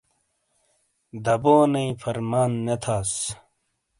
دبونئیی فرمان نے تھاس۔